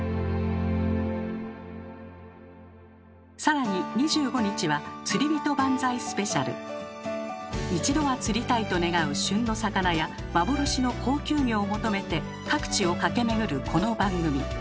更に一度は釣りたいと願う旬の魚や幻の高級魚を求めて各地を駆け巡るこの番組。